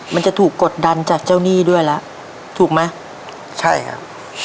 มันจะถูกกดดันจากเจ้าหนี้ด้วยแล้วถูกไหมใช่ครับ